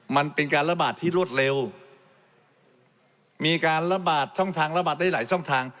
มันเป็นการระบาดที่รวดเร็วมีการระบาดช่องทางระบาดได้หลายช่องทาง